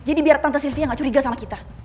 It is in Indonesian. jadi biar tante silvia gak curiga sama kita